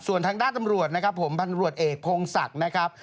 ส่วนทางด้านตำรวจนะครับผมพันธุรกิจเอกพงศักดิ์นะครับ